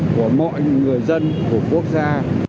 của mọi người dân của quốc gia